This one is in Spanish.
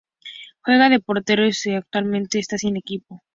Juega de portero y su actualmente está sin equipo.